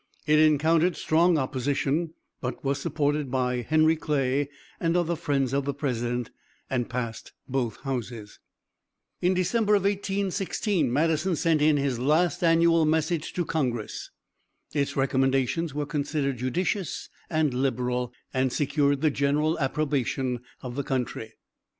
It encountered strong opposition, but was supported by Henry Clay and other friends of the president, and passed both houses. In December, 1816, Madison sent in his last annual message to congress. Its recommendations were considered judicious and liberal, and secured the general approbation of the country.